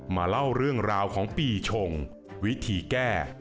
มาเล่าเรื่องราวของปีชงวิธีแก้